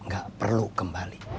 gak perlu kembali